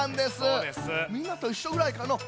みんなといっしょぐらいかのう。